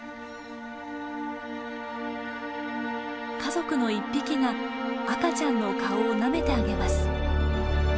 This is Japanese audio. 家族の１匹が赤ちゃんの顔をなめてあげます。